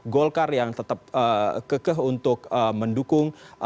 golkar yang tetap kekeh untuk mendukung